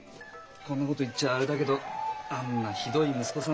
こんなこと言っちゃあれだけどあんなひどい息子さんじゃねえ。